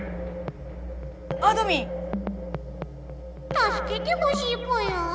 たすけてほしいぽよ！